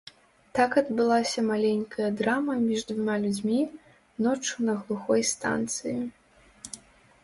Так адбылася маленькая драма між двума людзьмі, ноччу на глухой станцыі.